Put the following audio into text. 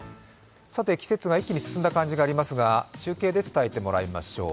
季節が一気に進んだ感じがありますが、中継で伝えてもらいましょう。